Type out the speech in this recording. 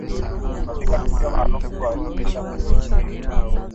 Katika tukio maalum kuadhimisha siku hiyo